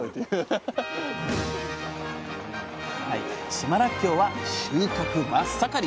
島らっきょうは収穫真っ盛り。